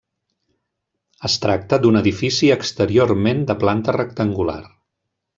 Es tracta d'un edifici exteriorment de planta rectangular.